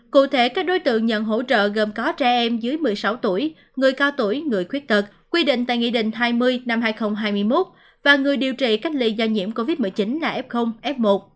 cụ thể các đối tượng nhận hỗ trợ gồm có trẻ em dưới một mươi sáu tuổi người cao tuổi người khuyết tật quy định tại nghị định hai mươi năm hai nghìn hai mươi một và người điều trị cách ly do nhiễm covid một mươi chín là f f một